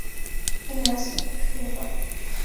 І мяса і хлеба.